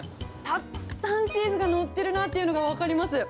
たくさんチーズが載ってるなっていうのが分かります。